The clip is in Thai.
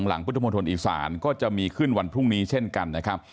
พุทธมนตรอีสานก็จะมีขึ้นวันพรุ่งนี้เช่นกันนะครับ